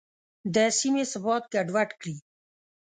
د سیمې ثبات ګډوډ کړي.